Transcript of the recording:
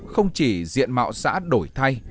không chỉ diện mạo xã đổi thay